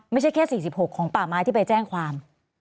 ไม่ใช่แค่๔๖ของป่าไม้ที่ไปแจ้งความ